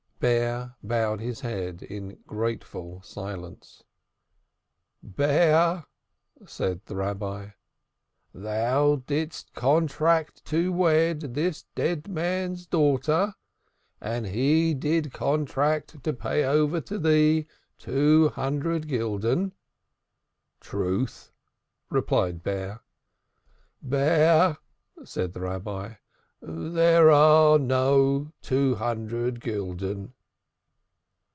Bear bowed his head in grateful silence. "Bear," said the Rabbi, "thou didst contract to wed this dead man's daughter, and he did contract to pay over to thee two hundred gulden.'' "Truth." replied Bear. "Bear," said the Rabbi, "there are no two hundred gulden."